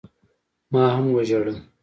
ما هم وجړل.